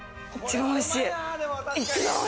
一番おいしい。